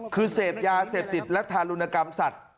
คือเสพยาเสพติดและทารุณกรรมสัตว์